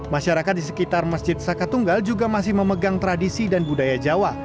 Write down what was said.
masyarakat di sekitar masjid saka tunggal juga masih memegang tradisi dan budaya jawa